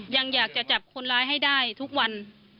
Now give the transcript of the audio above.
ยังอยากจะจับคนร้ายให้ได้ทุกวัน